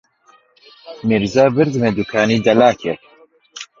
میرزا بردمییە دووکانی دەلاکێک